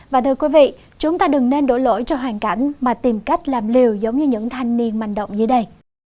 và thưa quý vị chúng ta đừng nên đổi lỗi cho hoàn cảnh mà tìm cách làm liều giống như những thanh niên manh động dưới đây